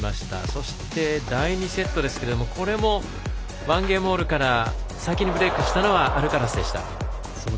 そして、第２セットですがこれも１ゲームオールから先にブレークしたのはアルカラスでした。